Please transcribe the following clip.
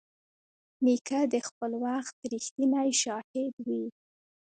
نیکه د خپل وخت رښتینی شاهد وي.